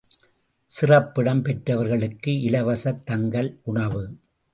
சிறப்பிடம் பெற்றவர்களுக்கு இலவசத் தங்கல், உணவு.